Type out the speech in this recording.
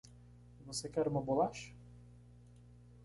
Você quer uma bolacha?